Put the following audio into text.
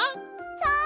そう！